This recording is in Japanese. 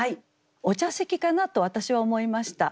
お茶席かなと私は思いました。